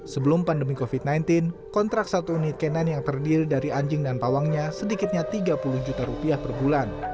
sebelum pandemi covid sembilan belas kontrak satu unit k sembilan yang terdiri dari anjing dan pawangnya sedikitnya tiga puluh juta rupiah per bulan